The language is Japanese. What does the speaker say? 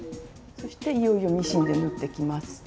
そしていよいよミシンで縫っていきます。